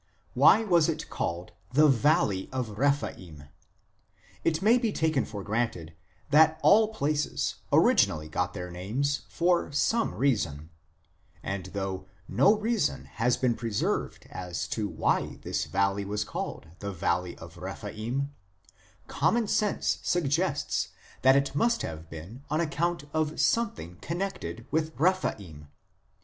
2 Why was it called the valley of Rephaim ? It may be taken for granted that all places originally got their names for some reason ; and though no reason has been preserved as to why this valley was called the valley of Rephaim, common sense suggests that it must have been on account of something connected with Rephaim.